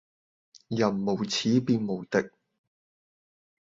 人無恥便無敵